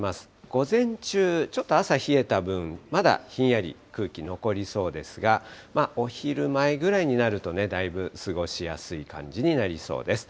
午前中、ちょっと朝、冷えた分、まだひんやり空気残りそうですが、お昼前ぐらいになると、だいぶ過ごしやすい感じになりそうです。